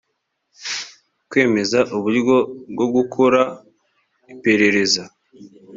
kwemeza uburyo bwo gukora iperereza